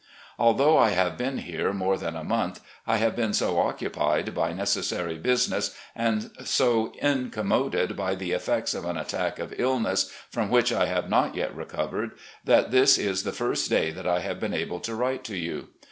Although I have been here more than a month, I have been so occupied by necessary business, and so incommoded by the effects of an attack of illness, from which I have not yet recovered, that this is the first day that I have been able to write to you.